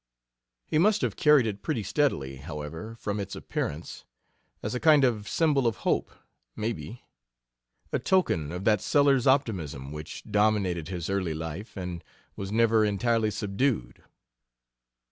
He must have carried it pretty steadily, however, from its appearance as a kind of symbol of hope, maybe a token of that Sellers optimism which dominated his early life, and was never entirely subdued.